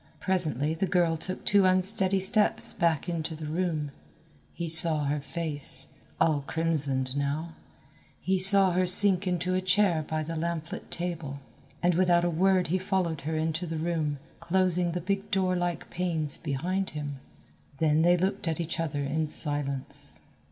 Presently the girl took two unsteady steps back into the room. He saw her face, all crimsoned now, he saw her sink into a chair by the lamplit table, and without a word he followed her into the room, closing the big door like panes behind him. Then they looked at each other in silence.